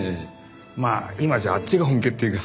まあ今じゃあっちが本家っていうか。